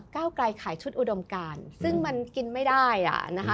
เก้าไกลขายชุดอุดมการซึ่งมันกินไม่ได้อ่ะนะคะ